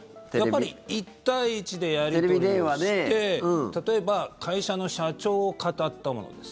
やっぱり１対１でやり取りをして例えば会社の社長をかたった者です。